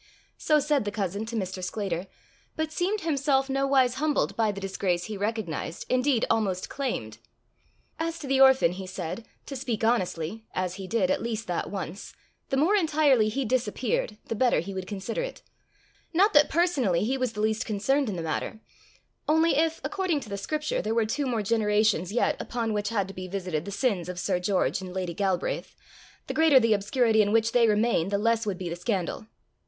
So said the cousin to Mr. Sclater, but seemed himself nowise humbled by the disgrace he recognized, indeed almost claimed. As to the orphan, he said, to speak honestly (as he did at least that once), the more entirely he disappeared, the better he would consider it not that personally he was the least concerned in the matter; only if, according to the Scripture, there were two more generations yet upon which had to be visited the sins of Sir George and Lady Galbraith, the greater the obscurity in which they remained, the less would be the scandal.